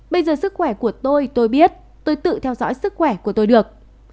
bây giờ sức khỏe của tôi tôi biết tôi tự theo dõi sức khỏe của tôi được